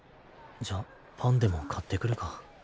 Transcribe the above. じゃあパンでも買ってくるか。